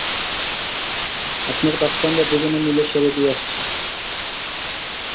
আপনার কাজটা আমরা দুজনে মিলে সেরে দিয়ে আসছি।